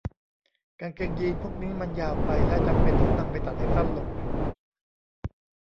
กางเกงยีนส์พวกนี้มันยาวไปและจำเป็นต้องนำไปตัดให้สั้นลง